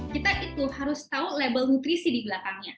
kita itu harus tahu label nutrisi di belakangnya